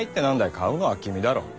買うのは君だろォ？